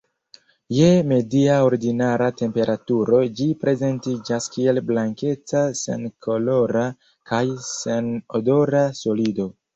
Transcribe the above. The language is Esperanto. Je media ordinara temperaturo ĝi prezentiĝas kiel blankeca-senkolora kaj senodora solido.